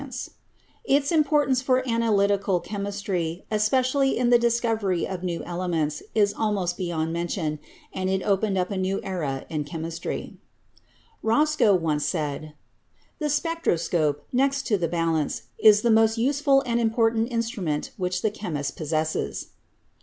MODERN INORGANIC CHEMISTRY 255 Its importance for analytical chemistry, especially in the discovery of new elements, is almost beyond mention, and it opened up a new era in chemistry. Roscoe once said, "The spectroscope, next to the bal ance, is the most useful and important instrument which the chemist possesses."